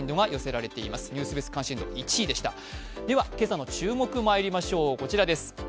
では、今朝の注目まいりましょう、こちらです。